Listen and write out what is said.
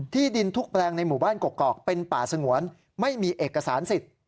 ดินทุกแปลงในหมู่บ้านกกอกเป็นป่าสงวนไม่มีเอกสารสิทธิ์